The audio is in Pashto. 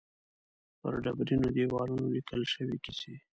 پر ډبرینو دېوالونو لیکل شوې کیسې.